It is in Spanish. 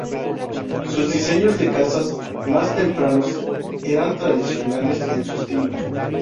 Sus diseños de casas más tempranos eran tradicionales en su estilo.